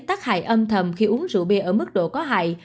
tác hại âm thầm khi uống rượu bia ở mức độ có hại